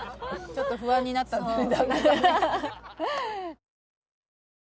ちょっと不安になったんだね